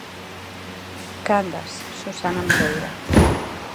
Cangas: Susana Moreira.